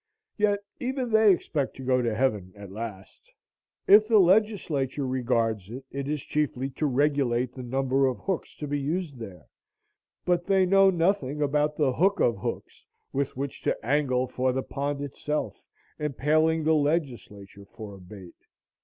Yet even they expect to go to heaven at last. If the legislature regards it, it is chiefly to regulate the number of hooks to be used there; but they know nothing about the hook of hooks with which to angle for the pond itself, impaling the legislature for a bait.